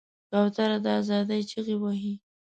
کوتره د آزادۍ چیغې وهي.